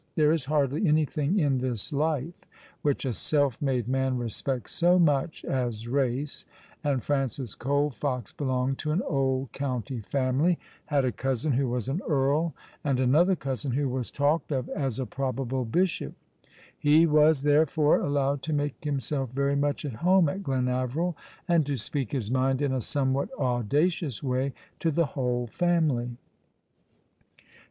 There is hardly anything in this life which a self made man respects so much as race, and Francis Colfox belonged to an old county family, had a cousin who was an earl, and another cousin who was I20 All along the River. talked of as a probable bisliop. He was, therefore, allowed to make himself very much at home at Glenaveril, and to speak his mind in a somewhat audacious way to the whole family.